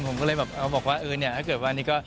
ก็เลยบอกว่าเออเนี่ยถ้าเกิดว่าอันนี้ก็